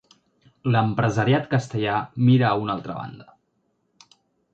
L'empresariat castellà mira a una altra banda.